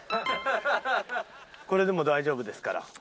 これでもう大丈夫ですから。